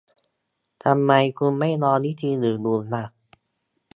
ทำไมคุณไม่ลองวิธีอื่นดูล่ะ